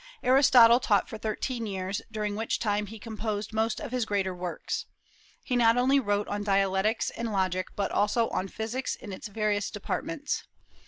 Aristotle taught for thirteen years, during which time he composed most of his greater works. He not only wrote on dialectics and logic, but also on physics in its various departments.